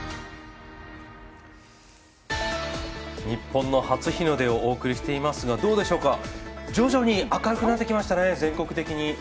日本の初日の出をお送りしていますが、徐々に明るくなってきましたね、全国的に。